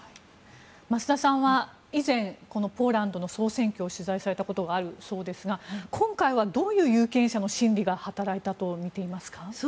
増田さんは以前ポーランドの総選挙を取材されたことがあるそうですが今回はどういう有権者の心理が働いたと見ていますか？